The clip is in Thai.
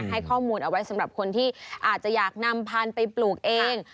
ให้ข้อมูลเอาไว้สำหรับคนที่อาจจะอยากนำพันธุ์ไปปลูกเอง